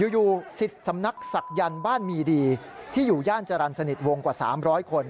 อยู่สิทธิ์สำนักศักยันต์บ้านมีดีที่อยู่ย่านจรรย์สนิทวงกว่า๓๐๐คน